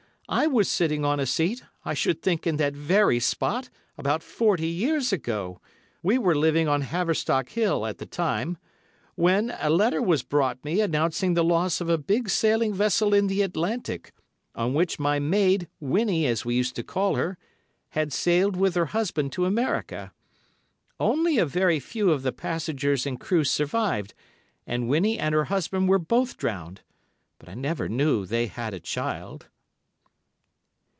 I was sitting on a seat, I should think in that very spot, about forty years ago—we were living in D—— House, on Haverstock Hill, at the time—when a letter was brought me announcing the loss of a big sailing vessel in the Atlantic, on which my maid, Winnie, as we used to call her, had sailed with her husband to America. Only a very few of the passengers and crew survived, and Winnie and her husband were both drowned. But I never knew they had a child."